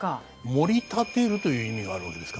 盛り立てるという意味があるわけですからね。